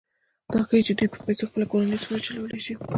دا ښيي چې دوی په پیسو خپله کورنۍ څومره چلولی شي